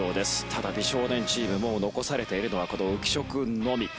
ただ美少年チームもう残されているのはこの浮所君のみ。